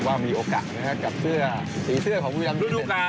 ว่ามีโอกาสนะครับกับเสื้อสีเสื้อของผู้ยำ